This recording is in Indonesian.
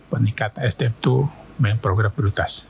peningkat sdm itu memiliki program berdutas